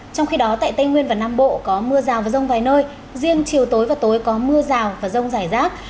trong khi đó tại tây nguyên và nam bộ có mưa rào và rông vài nơi riêng chiều tối và tối có mưa rào và rông rải rác